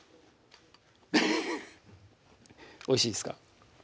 フフフおいしいですか？